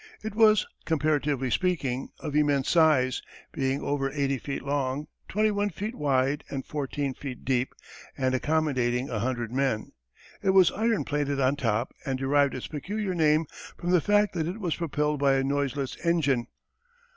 It was, comparatively speaking, of immense size, being over eighty feet long, twenty one feet wide, and fourteen feet deep and accommodating a hundred men. It was iron plated on top and derived its peculiar name from the fact that it was propelled by a noiseless engine.